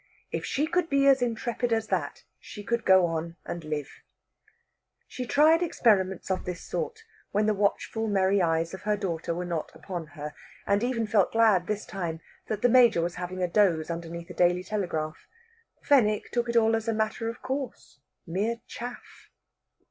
If she could be as intrepid as that, she could go on and live. She tried experiments of this sort when the watchful merry eyes of her daughter were not upon her, and even felt glad, this time, that the Major was having a doze underneath a "Daily Telegraph." Fenwick took it all as a matter of course, mere chaff....